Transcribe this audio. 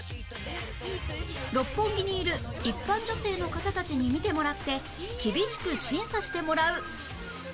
六本木にいる一般女性の方たちに見てもらって厳しく審査してもらう